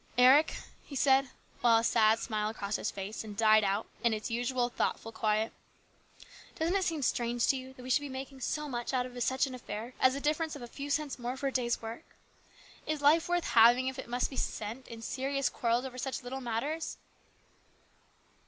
" Eric," he said, while a sad smile crossed his face and died out in its usual thoughtful quiet, " doesn't it seem strange to you that we should be making so much out of such an affair as a difference of a few cents more for a day's work ? Is life worth having if it must be spent in serious quarrels over such little matters